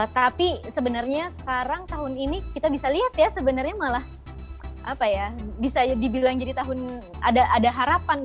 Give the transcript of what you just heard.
tapi sebenarnya sekarang tahun ini kita bisa lihat ya sebenarnya malah apa ya bisa dibilang jadi tahun ada harapan gitu